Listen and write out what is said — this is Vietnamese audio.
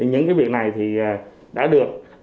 những việc này đã được